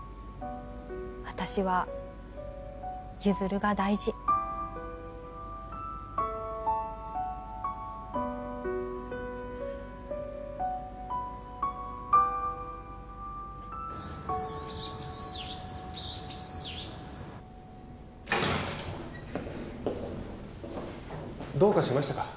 私は譲が大事どうかしましたか？